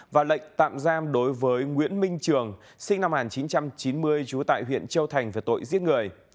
và lệnh tạm giam đối với nguyễn minh trường sinh năm một nghìn chín trăm chín mươi trú tại huyện châu thành về tội giết người